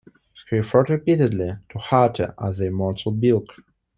He referred repeatedly to Harte as "The Immortal Bilk".